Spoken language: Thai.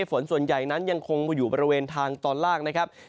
ฝนส่วนใหญ่นั้นยังคงอยู่บริเวณทางตอนล่างนะครับ